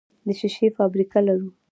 د شیشې فابریکه لرو؟